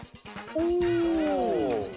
お！